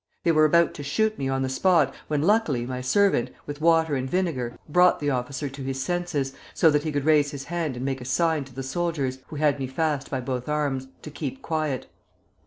They were about to shoot me on the spot, when luckily my servant, with water and vinegar, brought the officer to his senses, so that he could raise his hand and make a sign to the soldiers, who had me fast by both my arms, to keep quiet.